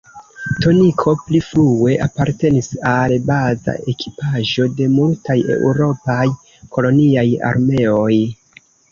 Toniko pli frue apartenis al baza ekipaĵo de multaj eŭropaj koloniaj armeoj.